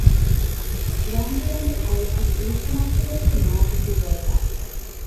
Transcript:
রঙ-বেরঙের আলোর প্রতি উড়ুক্কু মাছের রয়েছে মারাত্মক দুর্বলতা।